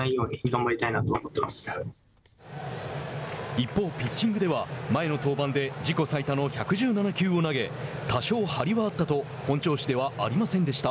一方、ピッチングでは前の登板で自己最多の１１７球を投げ多少張りはあったと本調子ではありませんでした。